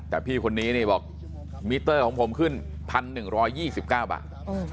แต่พี่คนนี้นี่บอกมิเตอร์ของผมขึ้น๑๑๒๙บาท